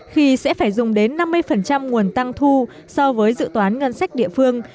khi sẽ phải dùng đến năm mươi nguồn tăng thu so với dự toán ngân sách địa phương